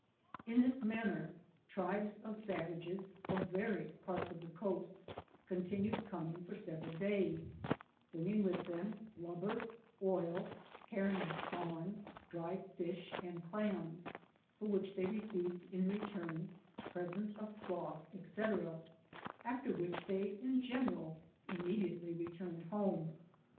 Tn this manner tribes of savages from various parts of the coast, continued coming for several days, bringing with them, blubber, oil, herring spawn, dried fish and clams, for which they re ceived, in return, presents of cloth, &c, after which they in general immediately returned home.